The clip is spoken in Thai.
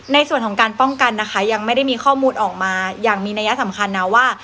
ในส่วนของการป้องกันนะคะยังไม่ได้มีข้อมูลออกมาอย่างมีนัยสำคัญนะว่า